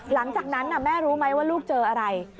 หลังจากนั้นแม่รู้ไหมว่าลูกเจออะไร